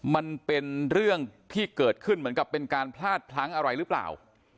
มันเป็นเรื่องที่เกิดขึ้นเหมือนกับเป็นการพลาดพลั้งอะไรหรือเปล่า